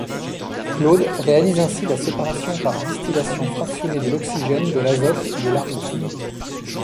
Claude réalise ainsi la séparation par distillation fractionnée de l'oxygène, de l'azote, de l'argon.